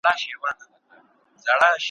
په ژړا او په خندا به دي چل وَل کئ